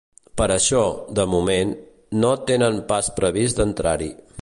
Per això, de moment, no tenen pas previst d’entrar-hi.